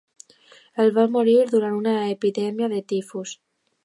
Ell va morir durant una epidèmia de tifus.